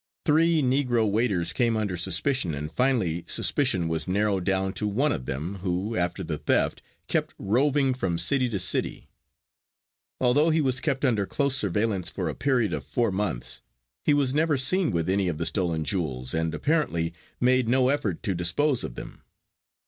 Three negro waiters came under suspicion and finally suspicion was narrowed down to one of them, who, after the theft, kept roving from city to city. Although he was kept under close surveillance for a period of four months he was never seen with any of the stolen jewels, and apparently made no effort to dispose of them.